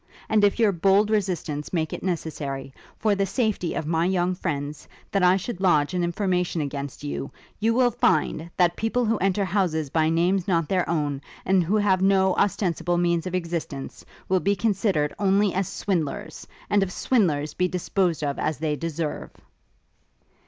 And if your bold resistance make it necessary, for the safety of my young friends, that I should lodge an information against you, you will find, that people who enter houses by names not their own, and who have no ostensible means of existence; will be considered only as swindlers; and as swindlers be disposed of as they deserve.'